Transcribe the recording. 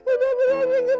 udah berani ke benteng